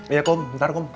iya kum bentar kum